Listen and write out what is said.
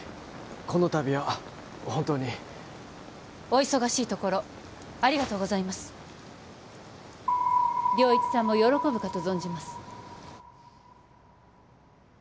この度は本当にお忙しいところありがとうございます良一さんも喜ぶかと存じます